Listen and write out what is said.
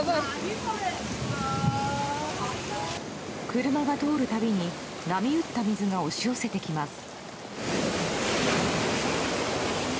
車が通るたびに波打った水が押し寄せてきます。